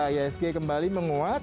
isg kembali menguat